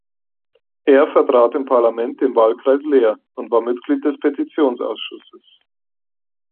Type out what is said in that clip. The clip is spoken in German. Er vertrat im Parlament den Wahlkreis Leer und war Mitglied des Petitionsausschusses.